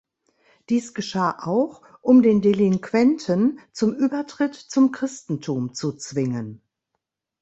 Dies geschah auch, um den Delinquenten zum Übertritt zum Christentum zu zwingen.